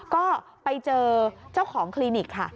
ก็ไปเจอเจ้าของคลินิกค่ะ